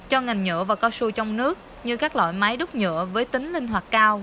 cho ngành nhựa và cao su trong nước như các loại máy đúc nhựa với tính linh hoạt cao